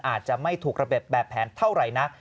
อาจจะไม่ถูกระเบียบแบบแผนเท่าไหร่นัก